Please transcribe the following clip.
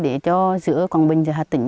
để cho giữa quảng bình và hà tĩnh